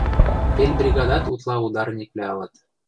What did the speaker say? Пел бригадат утла ударниквлӓ ылыт.